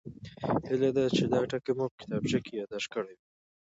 هیله ده چې دا ټکي مو په کتابچو کې یادداشت کړي وي